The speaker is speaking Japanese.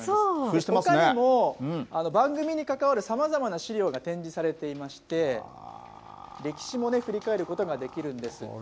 ほかにも番組に関わるさまざまな資料が展示されていまして、歴史も振り返ることができるんですよ。